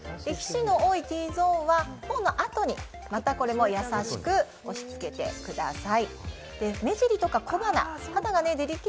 皮脂の多いＴゾーンは頬の後に、これも優しく押しつけてください。